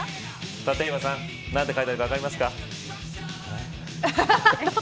立岩さん、なんて書いてあるか分かりますか。